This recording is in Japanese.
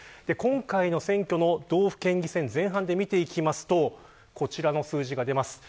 今回の選挙の道府県議選前半戦で見ていきますとこちらの数字が出ます。